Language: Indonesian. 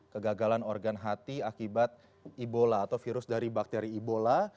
kegagalan organ hati akibat ebola atau virus dari bakteri ebola